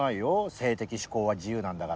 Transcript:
性的嗜好は自由なんだから。